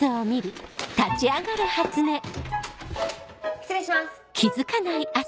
失礼します。